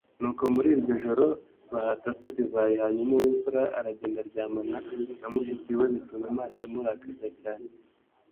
Nuko muri iryo joro bahata se divayi hanyuma uw’ imfura aragenda aryamana na mushiki we bituma Imana imurakarira cyane.